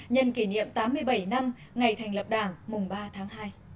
nhân kỷ niệm tám mươi bảy năm ngày thành lập đảng mùng ba tháng hai